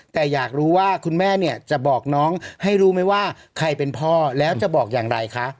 แต่อยากรู้ว่าคุณแม่เนี่ยจะบอกน้องให้รู้ไหมว่าใครเป็นพ่อแล้วจะบอกอย่างไรคะ